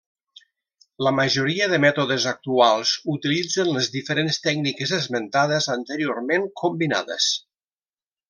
La majoria de mètodes actuals utilitzen les diferents tècniques esmentades anteriorment combinades.